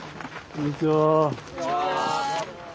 こんにちは。